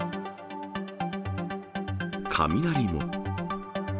雷も。